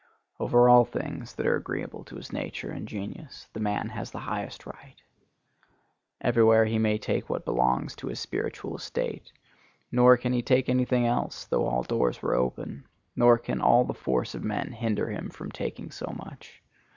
Over all things that are agreeable to his nature and genius the man has the highest right. Everywhere he may take what belongs to his spiritual estate, nor can he take any thing else though all doors were open, nor can all the force of men hinder him from taking so much.